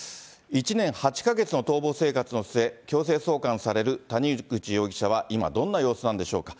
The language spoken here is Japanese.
１年８か月の逃亡生活の末、強制送還される谷口容疑者は今、どんな様子なんでしょうか。